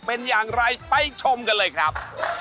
เป็นอย่างไรไปชมกันเลยครับ